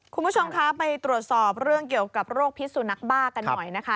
คุณผู้ชมคะไปตรวจสอบเรื่องเกี่ยวกับโรคพิษสุนักบ้ากันหน่อยนะคะ